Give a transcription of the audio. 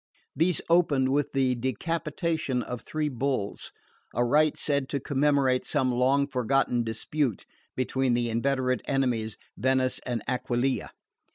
These opened with the decapitation of three bulls: a rite said to commemorate some long forgotten dispute between the inveterate enemies, Venice and Aquileia.